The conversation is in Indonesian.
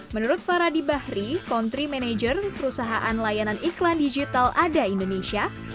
menurut faradi bahri country manager perusahaan layanan iklan digital ada indonesia